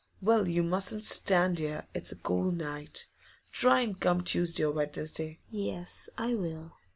'Well, you mustn't stand here; it's a cold night. Try and come Tuesday or Wednesday.' 'Yes, I will.